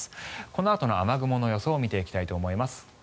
このあとの雨雲の予想見ていきたいと思います。